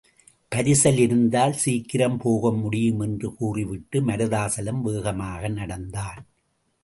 பரிசல் இருந்தால் சீக்கிரம் போக முடியும் என்று கூறிவிட்டு மருதாசலம் வேகமாக நடந்தான்.